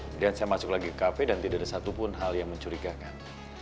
kemudian saya masuk lagi ke kafe dan tidak ada satupun hal yang mencurigakan